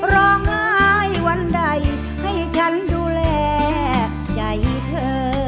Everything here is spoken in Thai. ร้องไห้วันใดให้ฉันดูแลใจเธอ